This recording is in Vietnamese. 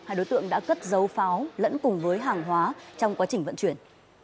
hai đối tượng đã cất dấu pháo lẫn cùng với hàng hóa trong quá trình vận chuyển